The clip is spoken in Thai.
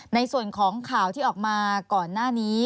ในส่วนของข่าวที่ออกมาก่อนหน้านี้